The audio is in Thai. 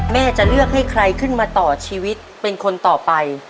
แม่จะเลือกให้ใครขึ้นมาต่อชีวิตเป็นคนต่อไป